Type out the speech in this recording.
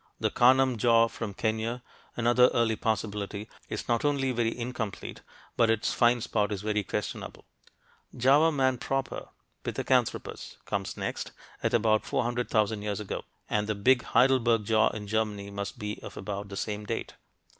The Kanam jaw from Kenya, another early possibility, is not only very incomplete but its find spot is very questionable. Java man proper, Pithecanthropus, comes next, at about 400,000 years ago, and the big Heidelberg jaw in Germany must be of about the same date.